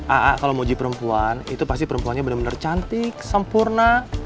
a a kalau mau uji perempuan itu pasti perempuannya bener bener cantik sempurna